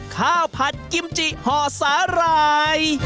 ข้าวผัดกิมจิห่อสาหร่าย